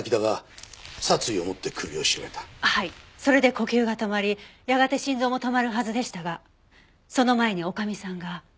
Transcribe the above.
それで呼吸が止まりやがて心臓も止まるはずでしたがその前に女将さんが。